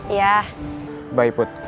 iya bye put